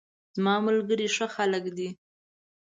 زماملګري ښه خلګ دي